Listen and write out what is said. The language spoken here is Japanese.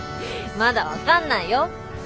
まだ分かんないよ。